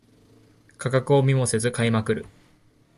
価格を見もせず買いまくる